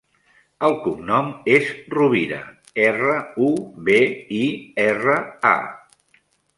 El cognom és Rubira: erra, u, be, i, erra, a.